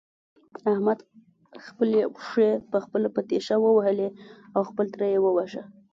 احمد خپلې پښې په خپله په تېشه ووهلې او خپل تره يې وواژه.